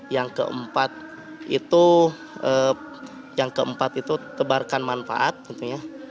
yang keempat itu yang keempat itu tebarkan manfaat tentunya